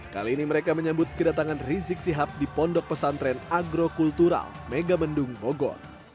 kali ini mereka menyambut kedatangan rizik sihab di pondok pesantren agrokultural megamendung bogor